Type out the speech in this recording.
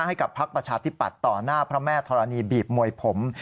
ให้กับพักประชาธิปัตย์ต่อหน้าพระแม่ธรณีบีบมวยผม